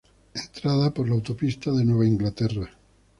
Entrada por la autopista de Nueva Inglaterra.